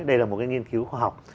đây là một cái nghiên cứu khoa học